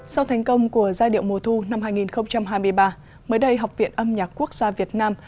sau thành công của giai điệu mùa thu năm hai nghìn hai mươi ba mới đây học viện âm nhạc quốc gia việt nam